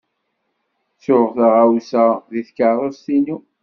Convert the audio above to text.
Ttuɣ taɣawsa deg tkeṛṛust-inu.